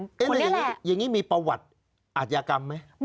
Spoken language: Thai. คนนี้แหละแต่อย่างนี้มีประวัติอาจยากรรมไหม